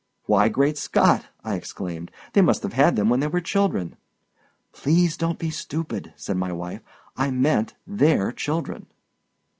"Why, Great Scott!" I exclaimed, "they must have had them when they were children." "Please don't be stupid," said my wife. "I meant their children."